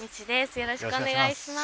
よろしくお願いします。